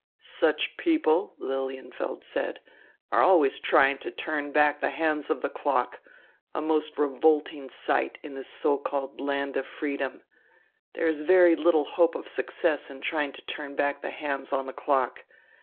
"Such people," Lilienfeld said, "are always trying to turn back the hands on the clock, a most revolting sight in this so called land of freedom. There is very little hope of success in trying to turn back the hands on the clock.